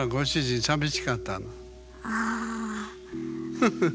フフフフ！